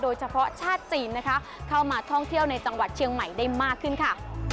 ชาติจีนนะคะเข้ามาท่องเที่ยวในจังหวัดเชียงใหม่ได้มากขึ้นค่ะ